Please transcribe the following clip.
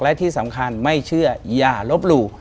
และที่สำคัญไม่เชื่ออย่าลบหลู่